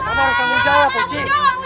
kamu harus tanggung jawab uci